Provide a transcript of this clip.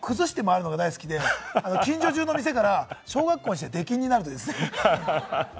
それを崩して回るのが大好きで、近所中の店から小学生にして出禁になるという。